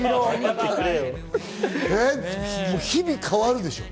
日々変わるでしょう？